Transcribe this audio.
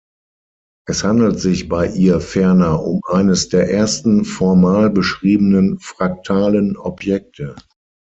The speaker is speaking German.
Es handelt sich bei ihr ferner um eines der ersten formal beschriebenen fraktalen Objekte.